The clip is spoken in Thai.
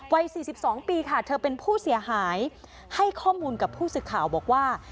วัย๔๒ปีค่ะเธอเป็นผู้เสียหายให้ข้อมูลกับผู้สื่อข่าวบอกว่า